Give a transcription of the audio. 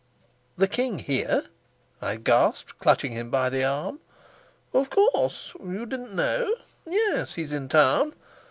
"The king here?" I gasped, clutching him by the arm. "Of course. You didn't know? Yes, he's in town."